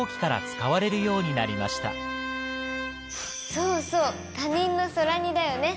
そうそう「他人の空似」だよね。